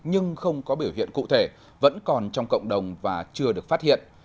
nhưng không có biểu hiện cụ thể vẫn còn trong cộng đồng và chưa được phát hiện